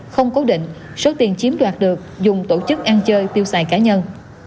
không cố định số tiền chiếm đoạt được dùng tổ chức ăn chơi tiêu xài cá nhân